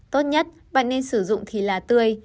tốt nhất bạn nên sử dụng thì là tươi